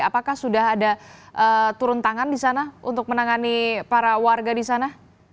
apakah sudah ada turun tangan di sana untuk menangani para warga di sana